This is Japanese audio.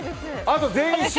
あと全員Ｃ！